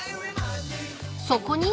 ［そこに］